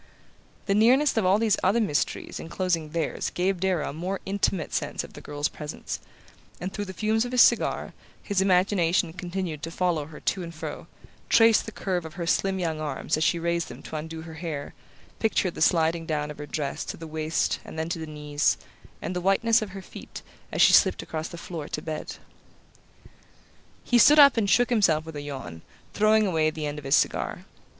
The nearness of all these other mysteries enclosing theirs gave Darrow a more intimate sense of the girl's presence, and through the fumes of his cigar his imagination continued to follow her to and fro, traced the curve of her slim young arms as she raised them to undo her hair, pictured the sliding down of her dress to the waist and then to the knees, and the whiteness of her feet as she slipped across the floor to bed... He stood up and shook himself with a yawn, throwing away the end of his cigar.